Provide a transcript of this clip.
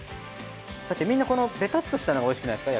だってみんなこのベタッとしたのがおいしくないですか？